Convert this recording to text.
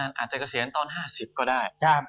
อาจจะกระเสียนตอน๕๐ก็ได้